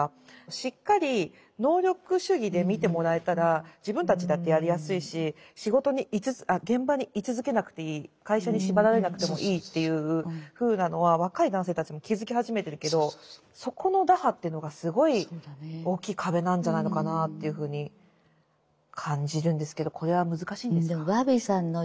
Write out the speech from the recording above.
しっかり能力主義で見てもらえたら自分たちだってやりやすいし仕事に現場に居続けなくていい会社に縛られなくてもいいというふうなのは若い男性たちも気付き始めてるけどそこの打破というのがすごい大きい壁なんじゃないのかなというふうに感じるんですけどこれは難しいんですか。